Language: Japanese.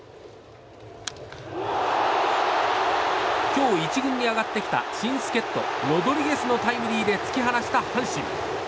今日１軍に上がってきた新助っ人ロドリゲスのタイムリーで突き放した阪神。